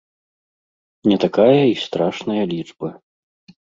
Не такая і страшная лічба.